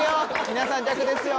皆さん逆ですよ。